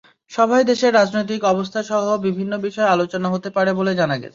সভায় দেশের রাজনৈতিক অবস্থাসহ বিভিন্ন বিষয়ে আলোচনা হতে পারে বলে জানা গেছে।